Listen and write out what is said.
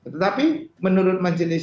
tetapi menurut majelis pengadilan